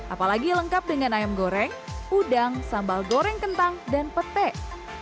apalagi lengkap dengan ayam goreng udang sambal goreng kentang dan pete